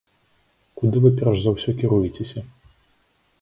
Куды вы перш за ўсё кіруецеся?